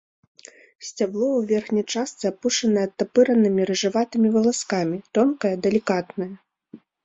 Сцябло ў верхняй частцы апушанае адтапыранымі рыжаватымі валаскамі, тонкае, далікатнае.